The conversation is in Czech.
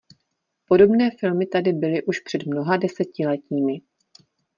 Podobné filmy tady byly už před mnoha desetiletími.